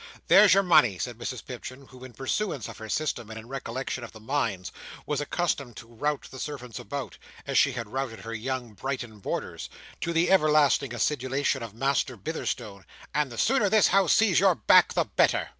"There's your money," said Mrs Pipchin, who, in pursuance of her system, and in recollection of the Mines, was accustomed to rout the servants about, as she had routed her young Brighton boarders; to the everlasting acidulation of Master Bitherstone, "and the sooner this house sees your back the better."